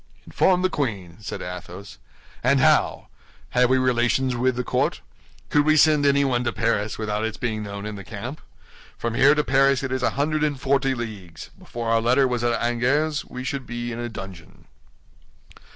"Inform the queen!" said Athos; "and how? Have we relations with the court? Could we send anyone to Paris without its being known in the camp? From here to Paris it is a hundred and forty leagues; before our letter was at Angers we should be in a dungeon."